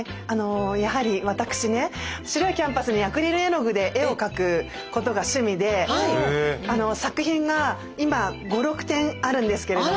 やはり私ね白いキャンバスにアクリル絵の具で絵を描くことが趣味で作品が今５６点あるんですけれども。